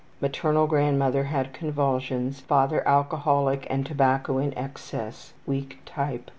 Maternal grandmother had convulsions. Father alcoholic and tobacco in excess weak type.